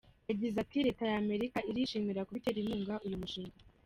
Yagize ati “Leta ya Amerika irishimira kuba itera inkunga uyu mushinga.